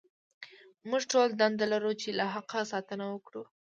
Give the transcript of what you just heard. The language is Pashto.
موږ ټول دنده لرو چې له حق ساتنه وکړو.